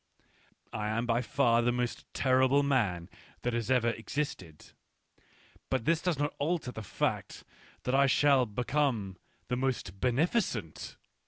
I am by far the most terrible man that has ever existed ; but this does not alter the fact that I shall become the most beneficent.